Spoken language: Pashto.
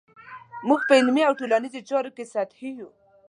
موږ په علمي او ټولنیزو چارو کې سطحي یو.